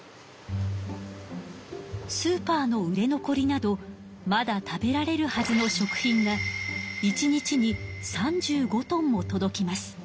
スーパーの売れ残りなどまだ食べられるはずの食品が１日に３５トンも届きます。